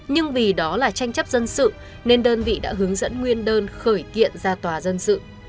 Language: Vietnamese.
nhưng vì đó là tranh chấp dân sự nên đơn vị đã hướng dẫn nguyên đơn khởi kiện ra tòa dân sự